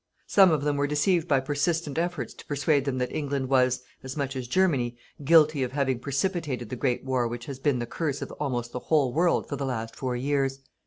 Some of them were deceived by persistent efforts to persuade them that England was, as much as Germany, guilty of having precipitated the great war which has been the curse of almost the whole world for the last four years.